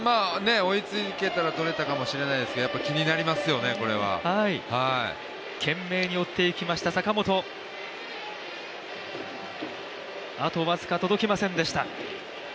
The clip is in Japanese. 追いつけたらとれたかもしれないですけどやっぱり気になりますよね、これは懸命に追っていきました、坂本、あと僅か届きませんでした。